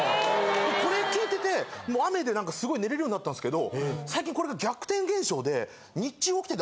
これ聞いてて雨でなんかすごい寝れるようになったんすけど最近これが。